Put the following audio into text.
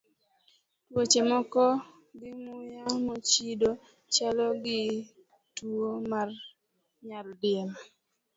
Tuoche mikelo gi muya mochido chalo gi tuwo mar nyaldiema.